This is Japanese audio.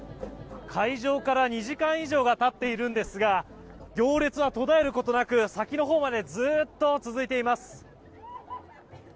開場から２時間以上がたっているんですが行列は途絶えることなく先のほうまでずっと続いています。